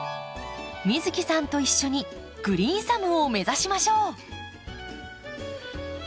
美月さんと一緒にグリーンサムを目指しましょう。